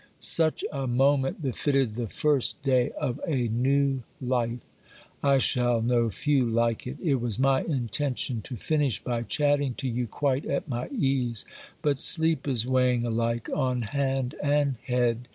Such a moment befitted the first day of a new life ; I shall know few like it. It was my intention to finish by chatting to you quite at my ease, but sleep is weighing alike on hand and head.